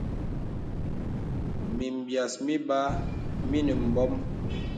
Mìm bìàs mìbàà mìnə bɔ̄m.